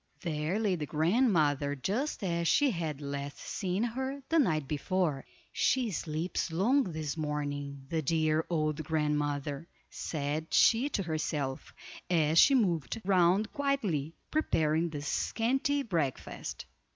There lay the grandmother just as she had last seen her the night before. "She sleeps long this morning, the dear old grandmother," said she to herself, as she moved round quietly, preparing the scanty breakfast.